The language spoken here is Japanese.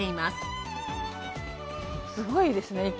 すごいですね。